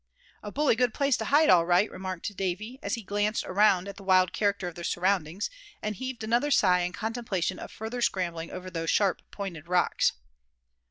"A bully good place to hide, all right," remarked Davy, as he glanced around at the wild character of their surroundings, and heaved another sigh in contemplation of further scrambling over those sharp pointed rocks.